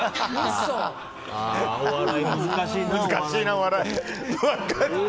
お笑い難しいな。